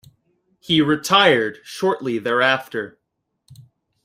He retired shortly thereafter.